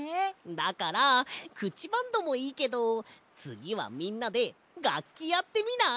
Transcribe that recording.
だからくちバンドもいいけどつぎはみんなでがっきやってみない？